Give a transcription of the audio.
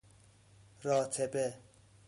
راتبه